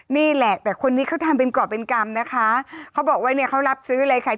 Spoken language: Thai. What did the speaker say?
นี่แหละแต่คนนี้เขาทำเป็นกรอบเป็นกรรมนะคะเขาบอกว่าเนี่ยเขารับซื้อเลยค่ะ